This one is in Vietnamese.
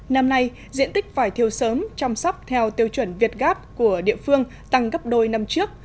năm nay diện tích vải thiều sớm chăm sóc theo tiêu chuẩn việt gáp của địa phương tăng gấp đôi năm trước